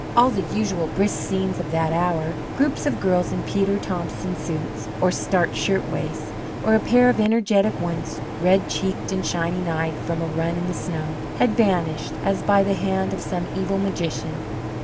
All the usual brisk scenes of that hour, groups of girls in Peter Thomson suits or starched shirt waists, or a pair of energetic ones, red cheeked and shining eyed from a run in the snow, had vanished as by the hand of some evil magician.